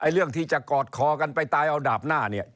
เรื่องที่จะกอดคอกันไปตายเอาดาบหน้าเนี่ย